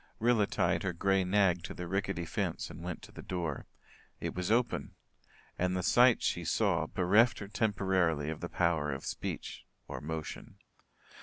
Rilla tied her grey nag to the rickety fence and went to the door. It was open; and the sight she saw bereft her temporarily of the power of speech or motion.